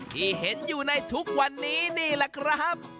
ที่เห็นอยู่ในทุกวันนี้นี่แหละครับ